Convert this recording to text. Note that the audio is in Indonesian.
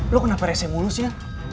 lo kenapa rese mulusnya